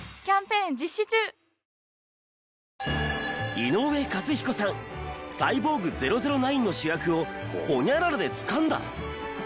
井上和彦さん『サイボーグ００９』の主役をホニャララでつかんだ！